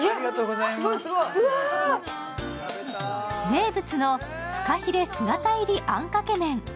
名物のフカヒレ姿入りあんかけ麺。